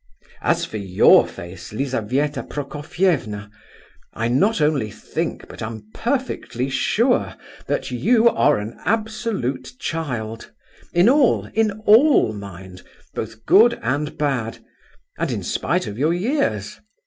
"As for your face, Lizabetha Prokofievna, I not only think, but am perfectly sure, that you are an absolute child—in all, in all, mind, both good and bad—and in spite of your years.